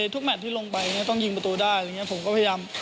ทุกแมทที่ลงไปต้องยิงประตูได้ผมก็พยายาม